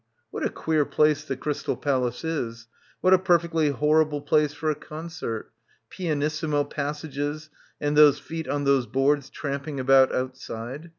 What a queer place the Crystal Palace is ... what a perfectly horrible place for a concert ... pianissimo pas sages and those feet on those boards tramping about outside.